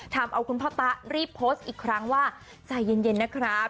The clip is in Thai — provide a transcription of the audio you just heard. ทำเอาคุณพ่อตะรีบโพสต์อีกครั้งว่าใจเย็นนะครับ